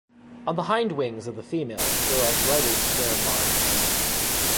On the hindwings of the females there are brighter square marks.